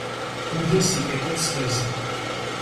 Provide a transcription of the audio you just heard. ბუდეს იკეთებს ხეზე.